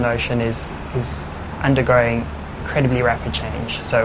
kerel di antarabangsa ini berubah dengan cepat